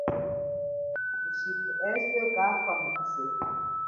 Thushithu eswe kafa muku seha.